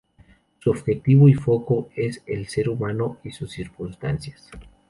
Su objetivo y foco es el ser humano y sus circunstancias.